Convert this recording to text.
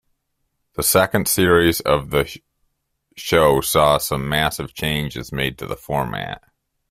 The second series of the show saw some massive changes made to the format.